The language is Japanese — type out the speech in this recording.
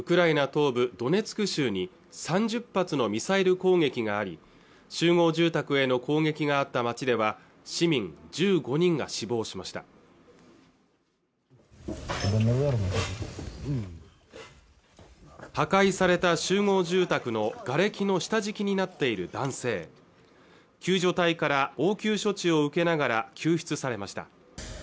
東部ドネツク州に３０発のミサイル攻撃があり集合住宅への攻撃があった街では市民１５人が死亡しました破壊された集合住宅のがれきの下敷きになっている男性救助隊から応急処置を受けながら救出されました